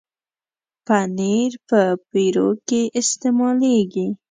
پنېر په پیروکي کې استعمالېږي.